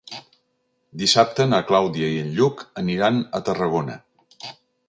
Dissabte na Clàudia i en Lluc aniran a Tarragona.